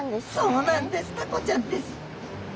そうなんですタコちゃんです！